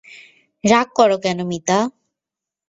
রাগ কর কেন মিতা।